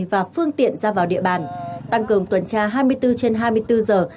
với tổng số tiền cho vay là năm trăm bốn mươi triệu đồng